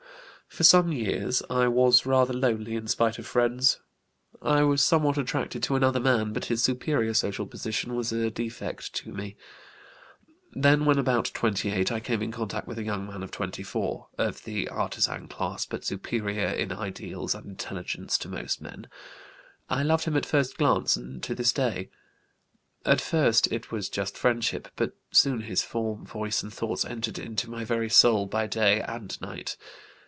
"For some years I was rather lonely in spite of friends. I was somewhat attracted to another man, but his superior social position was a defect to me. Then when about 28 I came in contact with a young man of 24, of the artisan class, but superior in ideals and intelligence to most men. I loved him at first glance and to this day. At first it was just friendship, but soon his form, voice, and thoughts entered into my very soul by day and night.